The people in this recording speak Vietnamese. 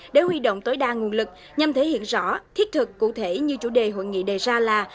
để huy động tối đa nguồn lực nhằm thể hiện rõ thiết thực cụ thể như chủ đề hội nghị đề ra là